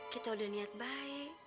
kita udah niat baik